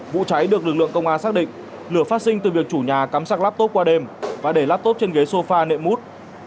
vụ cháy được lực lượng công an xác định lửa phát sinh từ việc chủ nhà cắm sạc laptop qua đêm và để laptop trên ghế sofa nệm mút